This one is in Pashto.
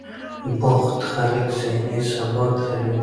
بوخت خلک ذهني ثبات لري.